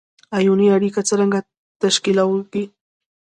آیوني اړیکه څرنګه تشکیلیږي؟